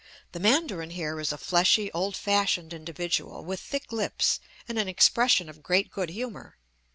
The mandarin here is a fleshy, old fashioned individual, with thick lips and an expression of great good humor.